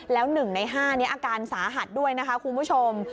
แล้ว๑ใน๕นี้อาการสาหัสด้วยนะคะคุณผู้ชม